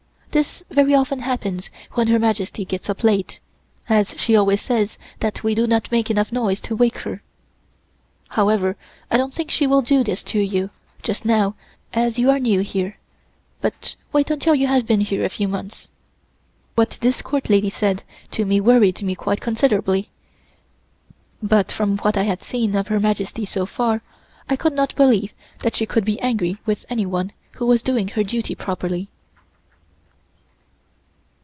This very often happens when Her Majesty gets up late, as she always says that we do not make enough noise to wake her. However, I don't think she will do this to you, just now, as you are new here; but wait until you have been here a few months." What this Court lady said to me worried me quite considerably; but from what I had seen of Her Majesty so far, I could not believe that she would be angry with anyone who was doing her duty properly.